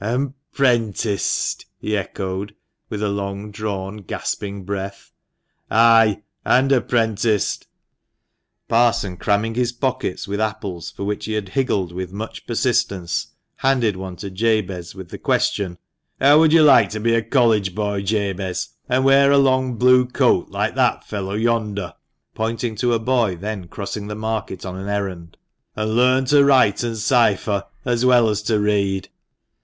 "And 'prenticed!" he echoed, with a long drawn, gasping breath. "Ay, and apprenticed." The parson, cramming his pockets with apples, for which he had higgled with much persistence, handed one to Jabez with the question —" How would you like to be a College boy, Jabez, and wear a long blue coat, like that fellow yonder " (pointing to a boy then crossing the market on an errand), " and learn to write and cypher, as well as to read